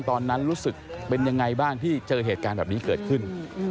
ตอนนั้นรู้สึกเป็นยังไงบ้างที่เจอเหตุการณ์แบบนี้เกิดขึ้น